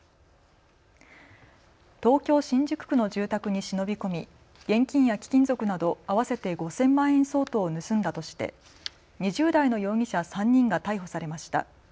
東京新宿区の住宅に忍び込み現金や貴金属など合わせて５０００万円相当を盗んだとして２０代の容疑者３人が逮捕されました。